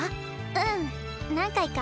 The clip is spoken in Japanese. うん何回か。